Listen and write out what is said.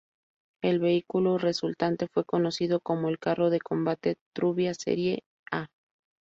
El vehículo resultante fue conocido como el "Carro de Combate Trubia serie A".